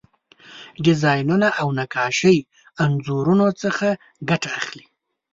د ډیزاینونو او نقاشۍ انځورونو څخه ګټه اخلي.